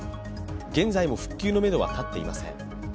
現在も復旧のめどは立っていません。